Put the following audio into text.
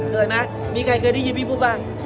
เคยมั้ยมีใครเคยได้ยินพี่พูดมั้ย